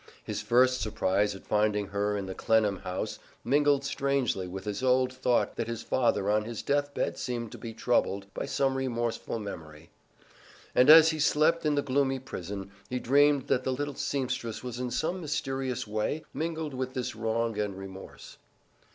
His first surprise at finding her in the Clennam house mingled strangely with his old thought that his father on his death bed seemed to be troubled by some remorseful memory; and as he slept in the gloomy prison he dreamed that the little seamstress was in some mysterious way mingled with this wrong and remorse.